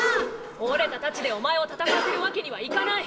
折れた太刀でおまえを戦わせる訳にはいかない！